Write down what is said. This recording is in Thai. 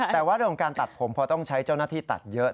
แต่ว่าเรื่องของการตัดผมเพราะต้องใช้เจ้าหน้าที่ตัดเยอะ